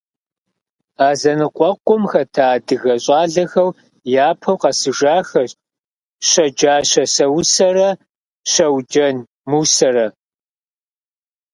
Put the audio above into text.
А зэныкъуэкъум хэта адыгэ щӏалэхэу япэу къэсыжахэщ Щэджащэ Сэусэррэ Щэуджэн Мусэрэ.